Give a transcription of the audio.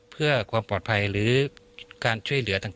เพื่อความปลอดภัยหรือการช่วยเหลือต่าง